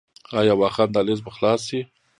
آیا واخان دهلیز به خلاص شي؟